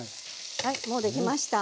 もうできました。